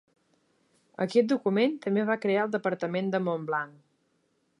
Aquest document també va crear el departament de Mont-Blanc.